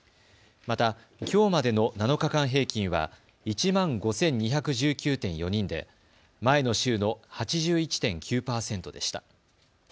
また、きょうまでの７日間平均は１万５２１９．４人で前の週の８１．９％でした。